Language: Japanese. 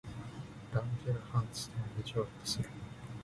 ランゲルハンス島に上陸する